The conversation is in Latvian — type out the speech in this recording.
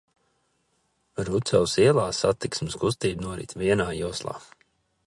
Rucavas ielā satiksmes kustība norit vienā joslā.